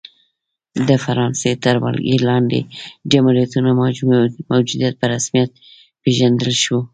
د فرانسې تر ولکې لاندې جمهوریتونو موجودیت په رسمیت وپېژندل شو.